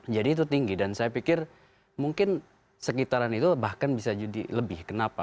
jadi itu tinggi dan saya pikir mungkin sekitaran itu bahkan bisa jadi lebih kenapa